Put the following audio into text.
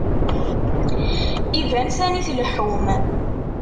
Iban sani tleḥḥum.